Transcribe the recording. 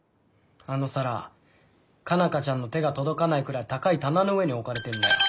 あの皿佳奈花ちゃんの手が届かないくらい高い棚の上に置かれてんだよ。